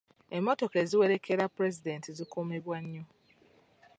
Emmotoka eziwerekera pulezidenti zikuumibwa nnyo.